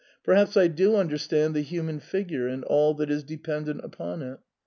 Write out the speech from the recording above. Per haps I do understand the human figure and all that is dependent upon it.